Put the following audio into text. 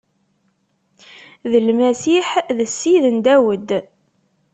D Lmasiḥ, d Ssid n Dawed.